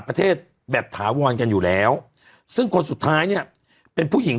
ประเทศแบบถาวรกันอยู่แล้วซึ่งคนสุดท้ายเนี่ยเป็นผู้หญิง